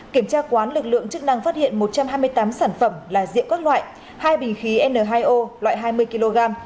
kiểm tra quán lực lượng chức năng phát hiện một trăm hai mươi tám sản phẩm là rượu các loại hai bình khí n hai o loại hai mươi kg